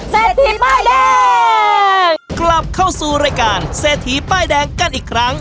เศรษฐีป้ายแดงกลับเข้าสู่รายการเศรษฐีป้ายแดงกันอีกครั้ง